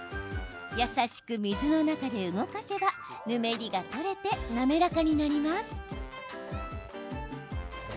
優しく水の中で動かせばぬめりが取れて滑らかになります。